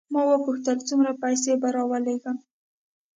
ما وپوښتل څومره پیسې به راولېږم.